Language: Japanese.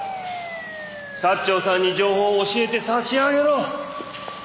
サッチョウさんに情報を教えて差し上げろ。